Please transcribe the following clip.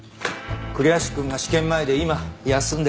栗橋くんが試験前で今休んでるから。